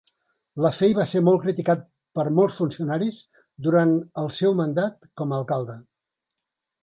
Laffey va ser molt criticat per molts funcionaris durant els seu mandat com a alcalde.